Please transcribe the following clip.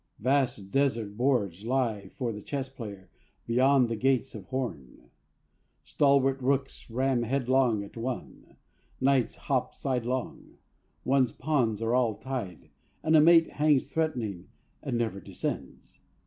Vast desert boards lie for the chess player beyond the gates of horn. Stalwart Rooks ram headlong at one, Knights hop sidelong, one's Pawns are all tied, and a mate hangs threatening and never descends.